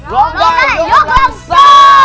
ร้องได้ยกกำลังซ่า